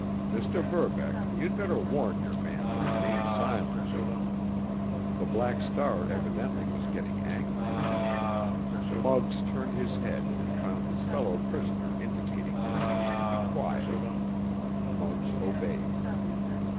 Mr. Verbeck, you'd better warn your man to remain silent!" The Black Star evidently was getting angry. Muggs turned his head and found his fellow prisoner indicating that he was to be quiet. Muggs obeyed.